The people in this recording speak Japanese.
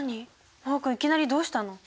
真旺君いきなりどうしたの？